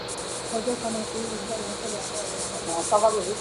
彩色条码是一种带颜色的二维条码。